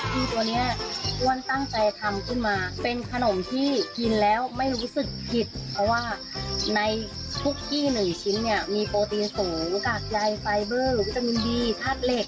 คือตัวนี้อ้วนตั้งใจทำขึ้นมาเป็นขนมที่กินแล้วไม่รู้สึกผิดเพราะว่าในคุกกี้หนึ่งชิ้นเนี่ยมีโปรตีนสูงกากใยไฟเบอร์หรือวิตามินดีธาตุเหล็ก